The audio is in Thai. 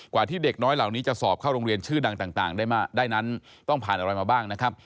ที่เด็กน้อยเหล่านี้จะสอบเข้าโรงเรียนชื่อดังต่างได้นั้นต้องผ่านอะไรมาบ้างนะครับ